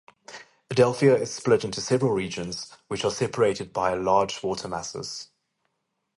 Adelpha is split into several regions, which are separated by large water masses.